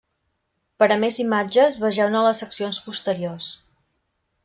Per a més imatges vegeu-ne les seccions posteriors.